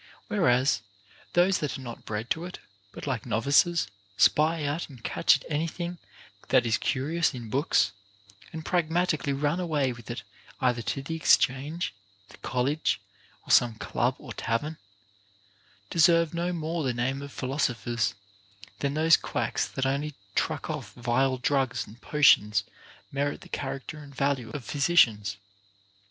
4r>9 Whereas, those that are not bred to it, but like novices spy out and catch at any thing that is curious in books, and pragmatically run away with it either to the Exchange, the College, or some club or tavern, deserve no more the name of philosophers, than those quacks that only truck off vile drugs and potions merit the character and value of physicians.